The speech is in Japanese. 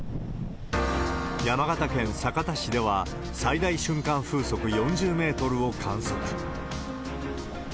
山形県酒田市では、最大瞬間風速４０メートルを観測。